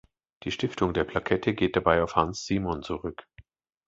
Die Stiftung der "Plakette" geht dabei auf Hans Simon zurück.